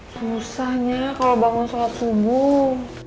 susahnya kalau bangun sholat subuh